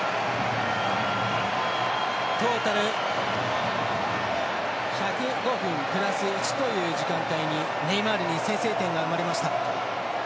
トータル１０５分プラス１という時間帯にネイマールに先制点が生まれました。